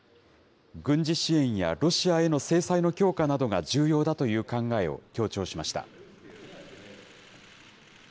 軍事支援やロシアへの制裁の強化などが重要だという考えを強調しました。